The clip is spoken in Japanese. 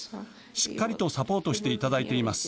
しっかりとサポートしていただいています。